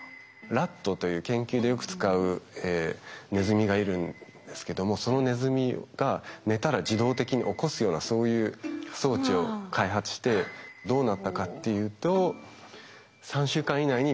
ラットという研究でよく使うネズミがいるんですけどもそのネズミが寝たら自動的に起こすようなそういう装置を開発してどうなったかっていうとえ！